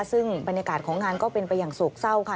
ซึ่งบรรยากาศของงานก็เป็นไปอย่างโศกเศร้าค่ะ